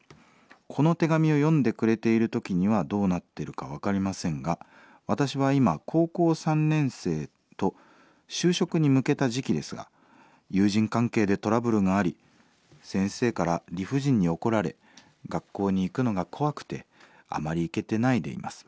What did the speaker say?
この手紙を読んでくれている時にはどうなってるか分かりませんが私は今高校３年生と就職に向けた時期ですが友人関係でトラブルがあり先生から理不尽に怒られ学校に行くのが怖くてあまり行けてないでいます。